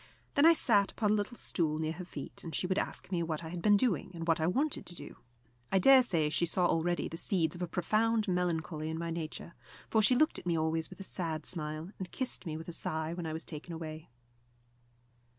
Then I sat upon a little stool near her feet, and she would ask me what I had been doing, and what I wanted to do. I dare say she saw already the seeds of a profound melancholy in my nature, for she looked at me always with a sad smile, and kissed me with a sigh when I was taken away.